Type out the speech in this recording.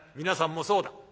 皆さんもそうだ。